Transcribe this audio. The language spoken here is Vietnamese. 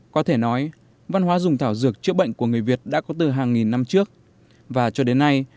có thể nói văn hóa dùng thảo dược chữa bệnh của người việt đã có từ hàng nghìn năm trước và cho đến nay